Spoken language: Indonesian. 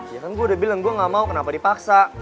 ya kan gue udah bilang gue gak mau kenapa dipaksa